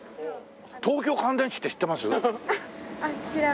東京乾電池って知ってます？